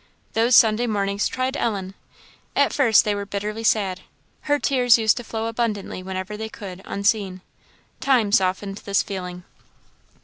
Those Sunday mornings tried Ellen. At first they were bitterly sad her tears used to flow abundantly whenever they could, unseen. Time softened this feeling.